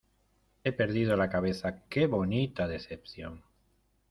He perdido la cabeza, ¡qué bonita decepción!